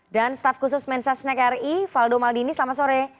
dan staff khusus mensa snack ri faldo maldini selamat sore